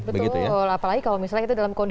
betul apalagi kalau misalnya itu dalam kualitas